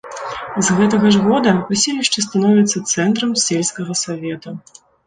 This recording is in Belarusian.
З гэтага ж года паселішча становіцца цэнтрам сельскага савета.